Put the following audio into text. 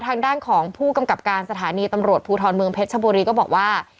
ทางด้านของผู้กำกับการสถานีตำรวจภูทรเมืองเพชรชบุรีก็บอกว่า